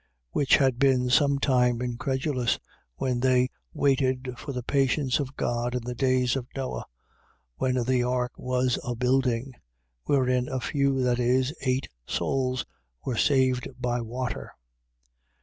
Which had been some time incredulous, when they waited for the patience of God in the days of Noe, when the ark was a building: wherein a few, that is, eight souls, were saved by water.